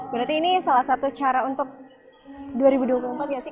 berarti ini salah satu cara untuk dua ribu dua puluh empat ya sih